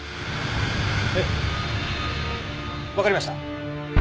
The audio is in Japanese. ええわかりました。